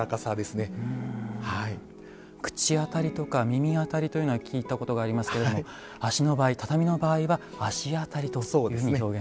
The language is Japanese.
口あたりとか耳あたりというのは聞いたことがありますけれども足の場合畳の場合は足あたりというふうに表現するんですね。